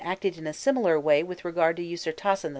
acted in a similar way with regard to Ûsirtasen II.